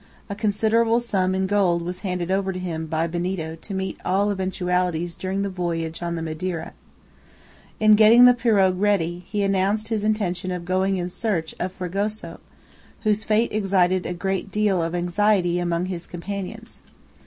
A considerable sum in gold was handed over to him by Benito to meet all eventualities during the voyage on the Madeira. In getting the pirogue ready, he announced his intention of going in search of Fragoso, whose fate excited a good deal of anxiety among his companions.